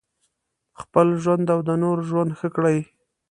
خپل ژوند او د نورو ژوند ښه کړي.